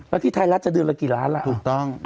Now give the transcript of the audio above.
แล้วที่ไทยรัฐจะเดือนกี่ล้านละ